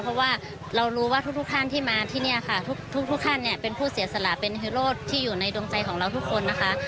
เพราะว่าเรารู้ว่าทุกท่านที่มาที่นี่ค่ะทุกท่านเนี่ยเป็นผู้เสียสละเป็นฮีโร่ที่อยู่ในดวงใจของเราทุกคนนะคะ